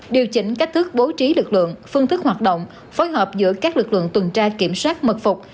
điều chỉnh cách thức bố trí lực lượng phương thức hoạt động phối hợp giữa các lực lượng tuần tra kiểm soát mật phục